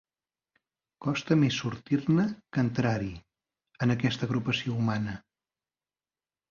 Costa més sortir-ne que entrar-hi, en aquesta agrupació humana.